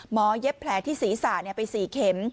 เย็บแผลที่ศีรษะไป๔เข็ม